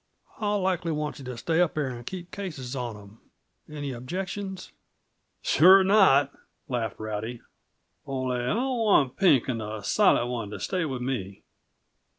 "I'll likely want yuh to stay up there and keep cases on 'em. Any objections?" "Sure not!" laughed Rowdy. "Only I'll want Pink and the Silent One to stay with me."